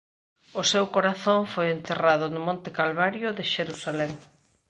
O seu corazón foi enterrado no Monte Calvario de Xerusalén.